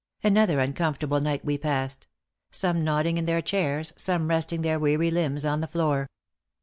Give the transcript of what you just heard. Another uncomfortable night we passed; some nodding in their chairs, some resting their weary limbs on the floor.